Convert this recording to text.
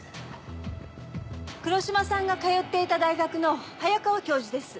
黒島さんが通っていた大学の早川教授です。